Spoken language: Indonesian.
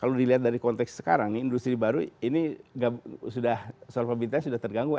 kalau dilihat dari konteks sekarang industri baru ini sudah soal pemerintahnya sudah terganggu